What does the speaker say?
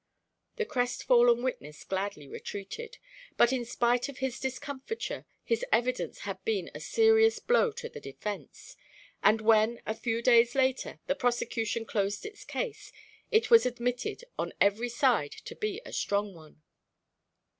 The crestfallen witness gladly retreated. But in spite of his discomfiture, his evidence had been a serious blow to the defense, and when, a few days later, the prosecution closed its case, it was admitted on every side to be a strong one.